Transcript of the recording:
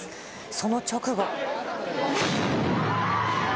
その直後。